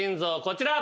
こちら。